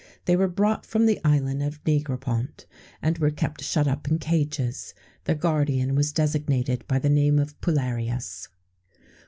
They were brought from the Island of Negropont, and were kept shut up in cages; their guardian was designated by the name of Pullarius.